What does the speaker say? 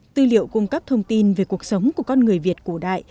tư liệu cung cấp thông tin về cuộc sống của con người việt cổ đại